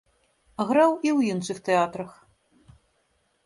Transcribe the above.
Граў і ў іншых тэатрах.